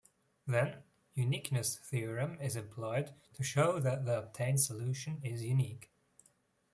Then, uniqueness theorem is employed to show that the obtained solution is unique.